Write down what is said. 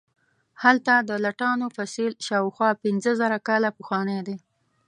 هلته د لټانو فسیل شاوخوا پنځه زره کاله پخوانی دی.